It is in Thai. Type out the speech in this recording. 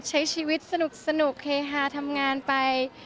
ใช้ชีวิตสนุกเฮฮาทำงานไป